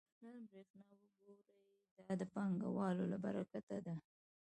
نن برېښنا وګورئ دا د پانګوالو له برکته ده